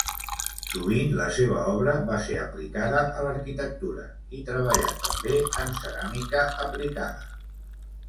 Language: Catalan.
Sovint la seva obra va ser aplicada a l'arquitectura, i treballà també en ceràmica aplicada.